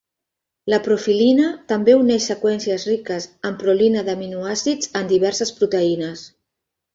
La profilina també uneix seqüències riques en prolina d'aminoàcids en diverses proteïnes.